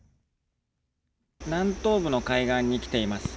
南東部の海岸に来ています。